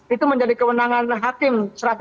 itu menjadi kewenangan hakim